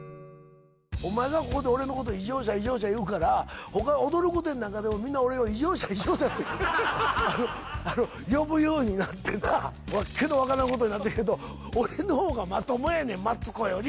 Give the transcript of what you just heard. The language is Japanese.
おまえがここで俺のことを異常者異常者言うからほか「踊る御殿」なんかでもみんな俺を異常者異常者って呼ぶようになってなわっけの分からんことになってるけど俺の方がまともやねんマツコより！